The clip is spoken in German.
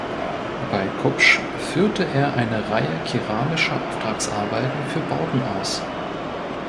Bei Kupsch führte er eine Reihe keramischer Auftragsarbeiten für Bauten aus.